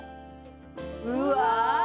うわ！